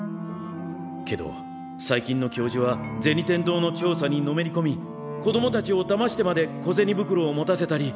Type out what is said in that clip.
けど最近の教授は銭天堂の調査にのめりこみ子供たちをだましてまで小銭袋を持たせたり。